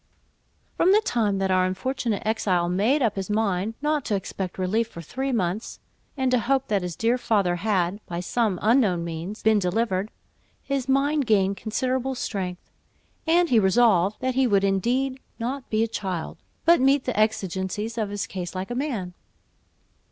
From the time that our unfortunate exile made up his mind not to expect relief for three months, and to hope that his dear father had, by some unknown means, been delivered, his mind gained considerable strength, and he resolved that he would indeed "not be a child," but meet the exigencies of his case like a man.